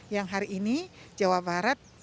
yang hari ini jawa barat